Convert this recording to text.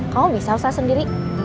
kamu bisa usaha sendiri